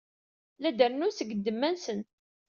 La d-rennun seg ddemma-nsen.